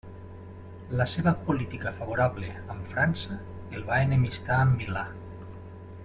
La seva política favorable amb França el va enemistar amb Milà.